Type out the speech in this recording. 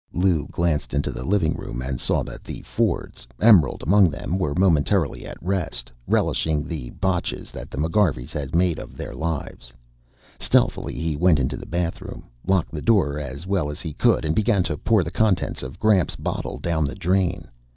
Lou glanced into the living room and saw that the Fords, Emerald among them, were momentarily at rest, relishing the botches that the McGarveys had made of their lives. Stealthily, he went into the bathroom, locked the door as well as he could and began to pour the contents of Gramps' bottle down the drain.